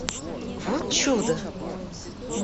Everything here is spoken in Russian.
Вот чудо!